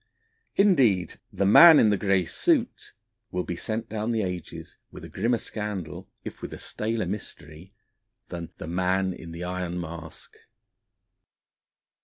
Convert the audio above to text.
Indeed, the Man in the Grey Suit will be sent down the ages with a grimmer scandal, if with a staler mystery, than the Man in the Iron Mask.